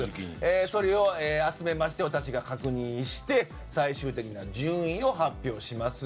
それを集めまして私が確認して最終的な順位を発表します。